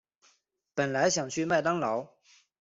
本来想去麦当劳